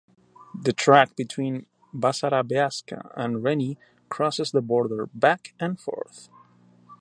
The track between Basarabeasca and Reni crosses the border back and forth.